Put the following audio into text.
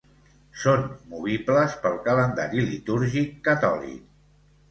Són movibles pel calendari litúrgic catòlic.